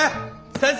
先生！？